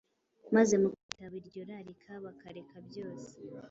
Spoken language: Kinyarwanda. maze mu kwitaba iryo rarika bakareka byose